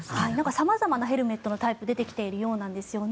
様々なヘルメットのタイプが出てきているようなんですね。